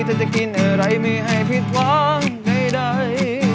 จะกินอะไรไม่ให้ผิดหวังใด